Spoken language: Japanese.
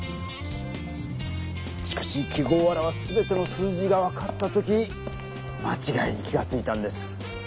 しかし記号を表すすべての数字が分かった時間ちがいに気がついたんです。